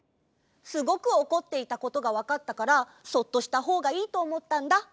すごくおこっていたことがわかったからそっとしたほうがいいとおもったんだ。